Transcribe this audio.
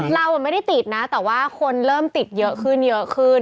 เราไม่ได้ติดนะแต่ว่าคนเริ่มติดเยอะขึ้นเยอะขึ้น